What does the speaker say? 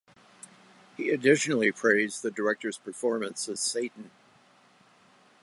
He additionally praised the director's performance as Satan.